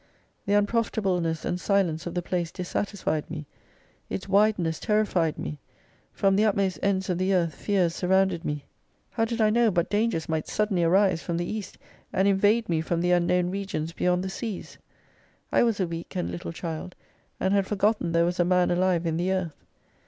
The unprofitableness and silence of the place dissatisfied me ; its wideness terrified me ; from the utmost ends of the earth fears surrounded me. How did I know but dangers might suddenly arise from the East, and invade me from the unknown regions beyond the seas ? I was a weak and little child, and had for gotten there was a man alive in the earth.